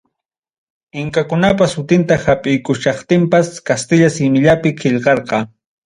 Inkakunapa sutinta hapiykuchkaptinpas, kastilla simillapi qillqarqa.